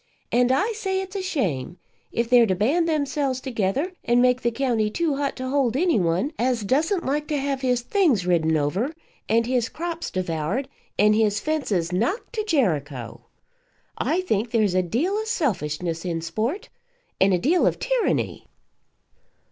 And I say it's a shame if they're to band themselves together and make the county too hot to hold any one as doesn't like to have his things ridden over, and his crops devoured, and his fences knocked to Jericho. I think there's a deal of selfishness in sport and a deal of tyranny."